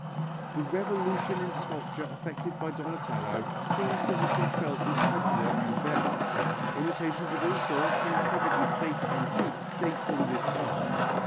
The revolution in sculpture effected by Donatello seems to be felt in Padua and Venice. Imitations of all sorts, and probably faked antiques, date from this time.